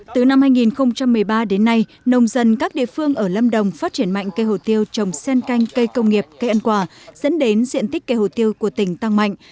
từ năm hai nghìn một mươi ba đến nay nông dân các địa phương ở lâm đồng phát triển mạnh cây hồ tiêu trồng sen canh cây công nghiệp cây ăn quả dẫn đến diện tích cây hồ tiêu của tỉnh tăng mạnh